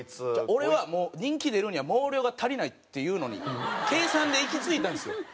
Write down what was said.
俺は人気出るには毛量が足りないっていうのに計算で行き着いたんですよ。